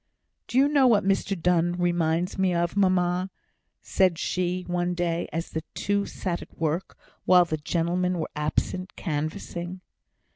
"Do you know what Mr Donne reminds me of, mamma?" said she, one day, as the two sat at work, while the gentlemen were absent canvassing.